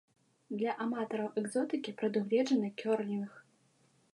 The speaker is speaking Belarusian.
Для аматараў экзотыкі прадугледжаны кёрлінг.